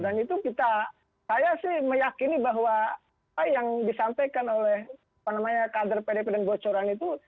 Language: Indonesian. dan itu kita saya sih meyakini bahwa apa yang disampaikan oleh apa namanya kader pdip dan bocoran itu